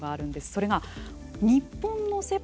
それが、日本のセ・パ